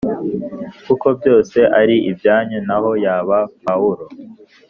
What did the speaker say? kuko byose ari ibyanyu naho yaba Pawulo